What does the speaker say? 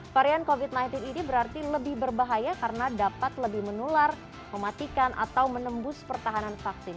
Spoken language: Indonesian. varian covid sembilan belas ini berarti lebih berbahaya karena dapat lebih menular mematikan atau menembus pertahanan vaksin